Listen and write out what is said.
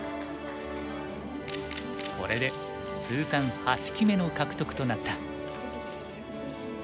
これで通算８期目の獲得となった。